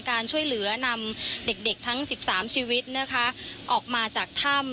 การช่วยเหลือนำเด็กทั้ง๑๓ชีวิตนะคะออกมาจากถ้ำ